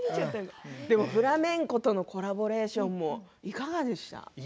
フラメンコとのコラボレーションいかがでしたか。